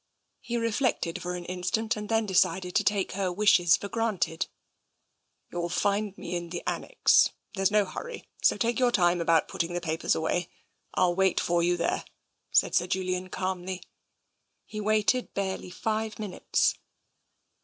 He reflected for an instant and then decided to take her wishes for granted. " You will find me in the annexe. There's no hurry, so take your time about putting the papers away. I'll wait for you there," said Sir Julian calmly. He waited barely five minutes.